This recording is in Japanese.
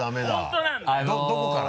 どこから？